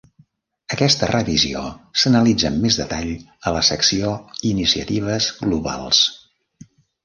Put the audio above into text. Aquesta revisió s'analitza amb més detall a la secció "Iniciatives globals".